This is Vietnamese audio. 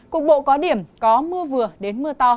cục bộ có điểm có mưa vừa đến mưa to